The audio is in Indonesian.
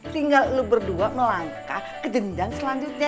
tinggal lu berdua melangkah ke jenjang selanjutnya